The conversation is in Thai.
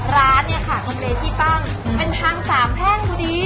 ร้านเนี่ยค่ะที่ตั้งเป็นทาง๓แห้งดูดิ